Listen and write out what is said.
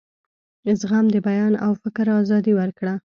زغم د بیان او فکر آزادي ورکړه.